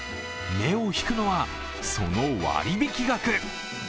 目を引くのは、その割引額。